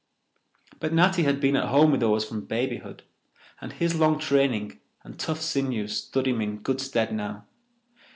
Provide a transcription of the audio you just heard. But Natty had been at home with the oars from babyhood, and his long training and tough sinews stood him in good stead now.